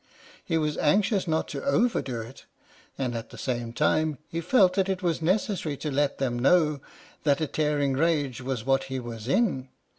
He was anxious not to overdo it, and at the same time he felt that it was necessary to let them know that a tearing rage was what he was in.